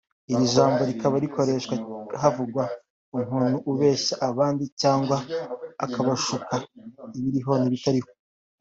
Iri jambo rikaba rikoreshwa havugwa umuntu ubeshya abandi cyangwa akabashuka ibiriho n’ibitariho